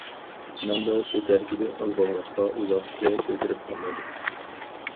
ناندا سۇ تەركىبى ئاز بولغاچقا ئۇزاققىچە كۆكىرىپ قالمايدۇ.